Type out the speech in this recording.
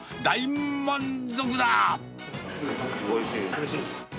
おいしいっす。